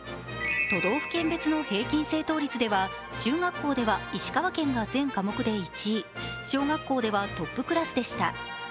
都道府県別の平均正答率では、石川県が全科目で１位、小学校ではトップクラスでした。